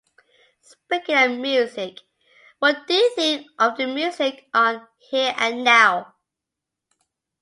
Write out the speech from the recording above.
Speaking of music, what do you think of the music on Here and Now?